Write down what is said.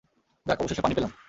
যাক, অবশেষে পানি পেলাম!